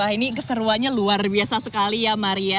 ini keseruannya luar biasa sekali ya maria